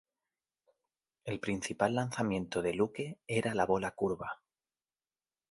El principal lanzamiento de Luque era la bola curva.